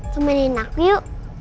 temenin aku yuk